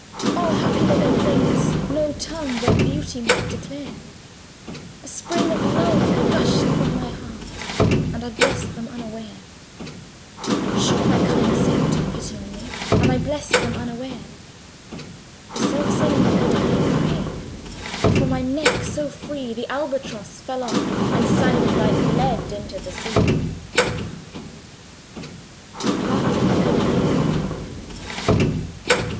O happy living things! no tongue Their beauty might declare: A spring of love gushed from my heart, And I blessed them unaware: Sure my kind saint took pity on me, And I blessed them unaware. The self same moment I could pray; And from my neck so free The Albatross fell off, and sank Like lead into the sea. PART THE FIFTH.